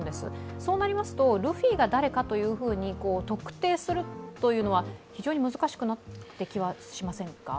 そうなりますとルフィが誰かと特定するというのは非常に難しくなってきはしませんか？